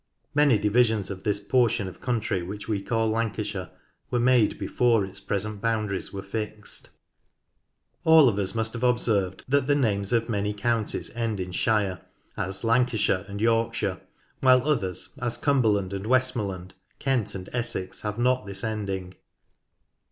Many divisions of this portion of country which we call Lancashire were made before its present boundaries were fixed. LANCASHIRE 3 All of us must have observed that the names of many counties end in "shire," as Lancashire and Yorkshire, while others, as Cumberland and Westmorland, Kent and Essex, have not this ending.